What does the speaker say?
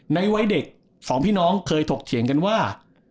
ในวัยเด็กสองพี่น้องเคยถกเถียงกันว่า